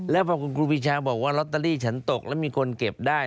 แล้วพอคุณครูปีชาบอกว่าลอตเตอรี่ฉันตกแล้วมีคนเก็บได้